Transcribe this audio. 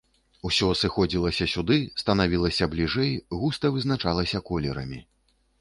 Усё сыходзілася сюды, станавілася бліжэй, густа вызначалася колерамі.